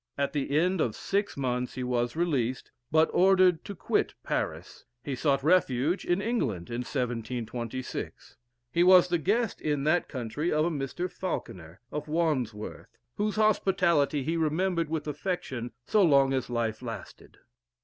At the end of six months he was released, but ordered to quit Paris. He sought refuge in England, in 1726. He was the guest in that country of a Mr. Falconer, of Wandsworth, whose hospitality he remembered with affection so long as life lasted.